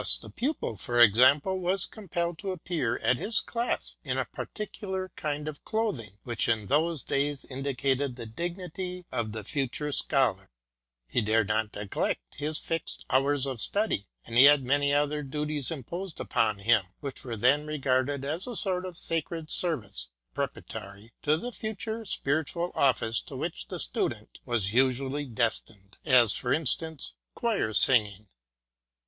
The pupil, for example, was compelled to appear at his class in a particular kind of clothing, which in those days indicated the dignity of the future Scholar; he dared not neglect his fixed hours of study; and he had many other duties imposed upon him, which were then regarded as a sort of sacred ser vice preparatory to the future spiritual office to which the Student was usually destined ; as for instance, choir singing.